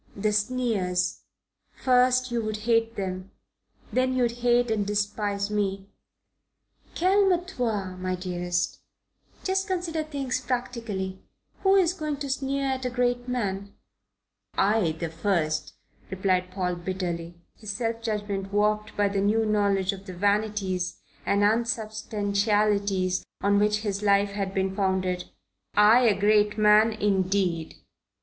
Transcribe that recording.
"The sneers. First you'd hate them. Then you'd hate and despise me." She grew serious. "Calme toi, my dearest. Just consider things practically. Who is going to sneer at a great man?" "I the first," replied Paul bitterly, his self judgment warped by the new knowledge of the vanities and unsubstantialities on which his life had been founded. "I a great man, indeed!"